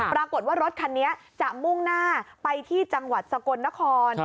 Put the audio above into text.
ปรากฏว่ารถคันนี้จะมุ่งหน้าไปที่จังหวัดสกลนคร